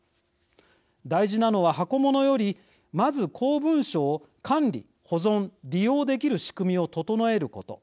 大事なのは箱モノよりまず、公文書を管理・保存・利用できる仕組みを整えること。